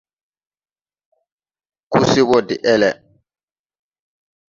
Ko se ɓɔ de ɛlɛ.